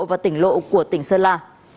và tỉnh lộ của tỉnh sơn la